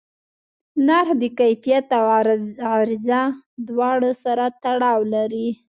نرخ د کیفیت او عرضه دواړو سره تړاو لري.